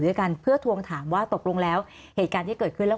ด้วยกันเพื่อทวงถามว่าตกลงแล้วเหตุการณ์ที่เกิดขึ้นแล้ว